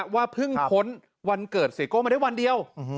ว่าเพิ่งพ้นวันเกิดเสียโก้มาได้วันเดียว